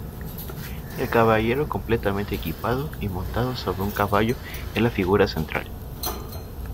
El caballero, completamente equipado y montado sobre un caballo, es la figura central.